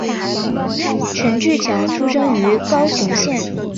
陈志强出生于高雄县。